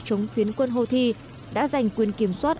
chống phiến quân houthi đã giành quyền kiểm soát